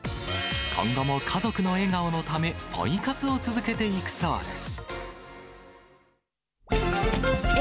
今後も家族の笑顔のため、ポイ活を続けていくそうです。